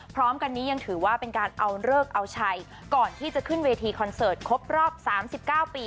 พร้อมกันนี้ยังถือว่าเป็นการเอาเลิกเอาชัยก่อนที่จะขึ้นเวทีคอนเสิร์ตครบรอบ๓๙ปี